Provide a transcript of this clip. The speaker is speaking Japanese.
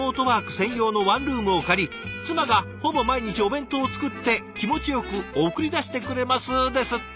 専用のワンルームを借り妻がほぼ毎日お弁当を作って気持ちよく送り出してくれます」ですって。